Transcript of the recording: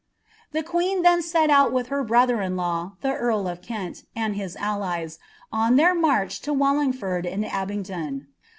The queen then set out with her brotber^iMaw. fa turl of Kent, and his allies, on their march lo Wallingfoni ami Almgilt.